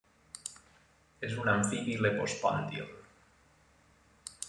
És un amfibi lepospòndil.